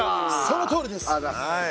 そのとおりです。